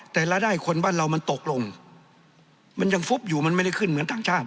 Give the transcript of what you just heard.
แต่รายได้คนบ้านเรามันตกลงมันยังฟุบอยู่มันไม่ได้ขึ้นเหมือนต่างชาติ